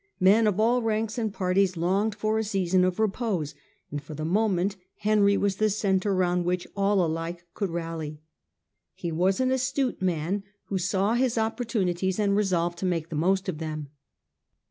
Men of all ranks and parties longed for a season of Character of ^epose, and for the moment Henry was the Henry V. centre round which all alike could rally. He Pascal n. ^as an astute man, who saw his opportunities and resolved to make the most of them.